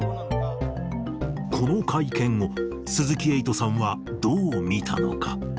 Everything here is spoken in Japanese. この会見を鈴木エイトさんは、どう見たのか。